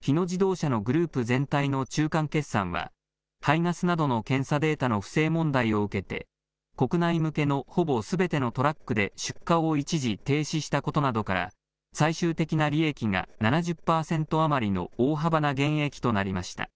日野自動車のグループ全体の中間決算は、排ガスなどの検査データの不正問題を受けて、国内向けのほぼすべてのトラックで出荷を一時、停止したことなどから、最終的な利益が７０％余りの大幅な減益となりました。